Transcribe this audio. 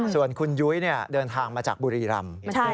ส่วนคุณยุ้ยเดินทางมาจากบุรีรำ